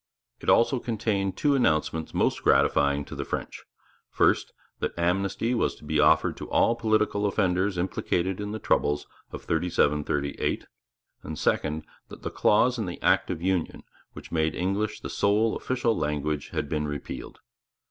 It also contained two announcements most gratifying to the French: first, that amnesty was to be offered to all political offenders implicated in the troubles of '37 '38; and second, that the clause in the Act of Union which made English the sole official language had been repealed.